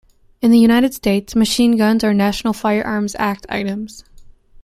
In the United States, machine guns are National Firearms Act items.